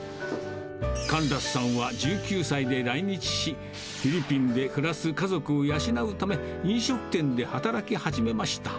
カンラスさんは１９歳で来日し、フィリピンで暮らす家族を養うため、飲食店で働き始めました。